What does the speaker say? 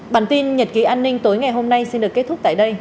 bản tin nhật ký an ninh tối ngày hôm nay xin được kết thúc tại đây